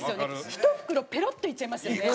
ひと袋ペロッといっちゃいますよね。